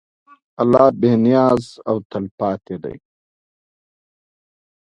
الله بېنیاز او تلپاتې دی.